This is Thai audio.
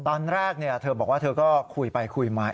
ตอนแรกเธอบอกว่าเธอก็คุยไปคุยมา